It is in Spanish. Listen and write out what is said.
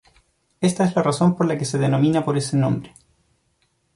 Ésta es la razón por la que se la denomina por ese nombre.